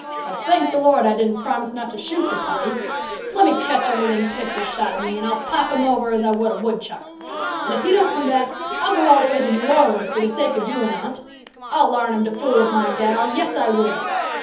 Well, thank the Lord, I didn't promise not to shoot the puppy. Let me catch him within pistol shot of me, and I'll pop him over as I would a woodchuck. And if he don't come back, I'll go all the way to New Orleans for the sake of doin' on't. I'll larn him to fool with my gal; yes, I will!"